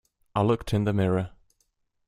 I looked in the mirror.